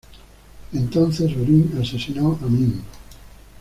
Entonces Hurin asesinó a Mim.